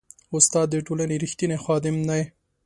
استاد د ټولنې ریښتینی خادم دی.